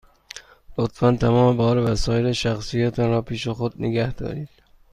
لطفاً تمام بار و وسایل شخصی تان را پیش خود نگه دارید.